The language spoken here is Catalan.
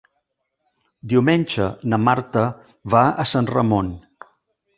Diumenge na Marta va a Sant Ramon.